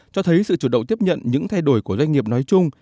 cho thấy sự chủ động tiếp nhận những thay đổi của doanh nghiệp nói chung